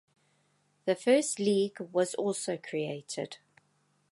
The first league was also created.